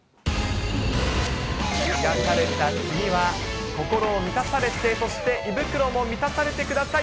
癒やされた次は、心を満たされて、そして胃袋も満たされてください。